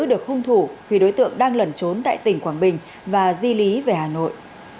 được hung thủ khi đối tượng đang lẩn trốn tại tỉnh quảng bình và di lý về hà nội